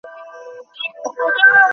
তুমি আবার কোথায় যাচ্ছো?